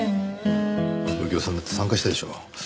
右京さんだって参加したいでしょう？